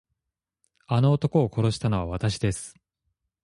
あの男を殺したのはわたしです。